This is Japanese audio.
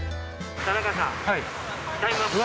田中さん。